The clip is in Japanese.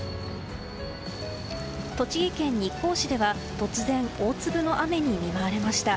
栃木県日光市では突然、大粒の雨に見舞われました。